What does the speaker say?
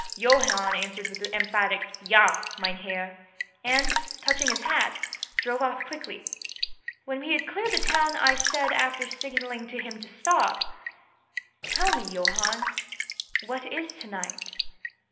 Johann answered with an emphatic, "Ja, mein Herr," and, touching his hat, drove off quickly. When we had cleared the town, I said, after signalling to him to stop: "Tell me, Johann, what is tonight?"